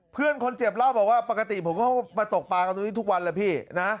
เพื่อนคนเจ็บเล่าบอกว่าปกติผมก็มาตกปลากันตรงนี้ทุกวันแหละพี่นะ